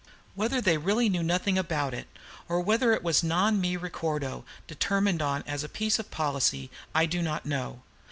Whether they really knew nothing about it, or whether it was a "Non mi ricordo," determined on as a piece of policy, I do not know.